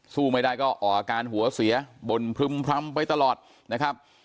สู้ไม่ได้ก็ออกอาการหัวเสียบ่นพรึมพร้ำไปตลอดนะครับ